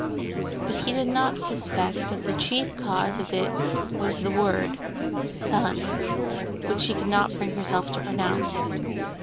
But he did not suspect that the chief cause of it was the word—son, which she could not bring herself to pronounce.